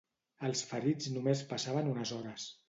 Els ferits només passaven unes hores